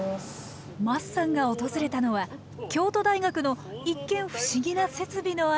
桝さんが訪れたのは京都大学の一見ふしぎな設備のある研究室。